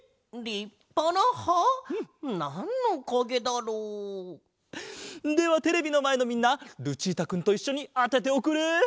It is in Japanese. なんのかげだろう？ではテレビのまえのみんなルチータくんといっしょにあてておくれ！